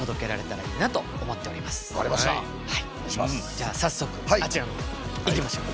じゃあ早速あちらのほうへ行きましょう。